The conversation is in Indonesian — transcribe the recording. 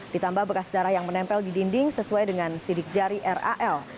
ditambah bekas darah yang menempel di dinding sesuai dengan sidik jari ral